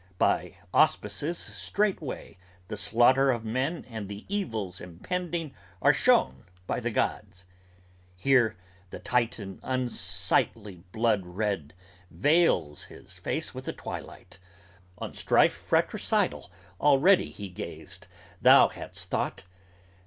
By auspices straightway the slaughter of men and the evils Impending are shown by the gods. Here, the Titan unsightly Blood red, veils his face with a twilight; on strife fratricidal Already he gazed, thou hadst thought!